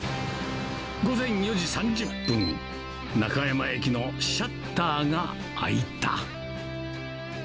午前４時３０分、中山駅のシャッターが開いた。